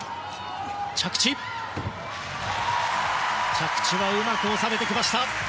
着地はうまく収めてきました。